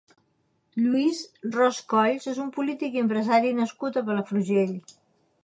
Lluís Ros Colls és un polític i empresari nascut a Palafrugell.